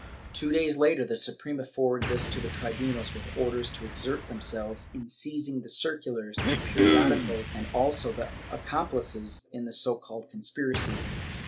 Two days later the Supre ma forwarded this to the tribunals, with orders to exert themselves in seizing the circulars and periodical and also the accomplices in the so called conspiracy.